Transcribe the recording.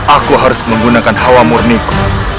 aku harus menggunakan hawa murniku